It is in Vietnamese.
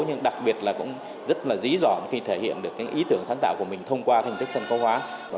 nhưng đặc biệt là cũng rất dí dỏm khi thể hiện được ý tưởng sáng tạo của mình thông qua hình thức sân khấu hóa